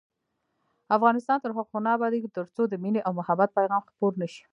افغانستان تر هغو نه ابادیږي، ترڅو د مینې او محبت پیغام خپور نشي.